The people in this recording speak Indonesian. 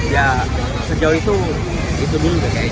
ya sejauh itu itu dulu sudah seperti ini